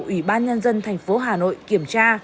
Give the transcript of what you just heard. ủy ban nhân dân thành phố hà nội kiểm tra